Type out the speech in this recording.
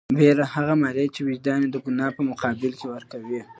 بېره هغه مالیه ده چې وجدان یې د ګناه په مقابل کې ورکوي.